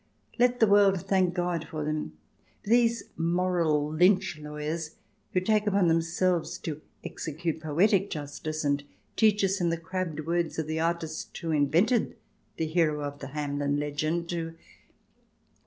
Let the world thank God for them, for these moral lynch lawyers, who take upon them selves to execute poetic justice, and teach us, in the crabbed words of the artist who invented the hero of the Hamelin legend, to —"...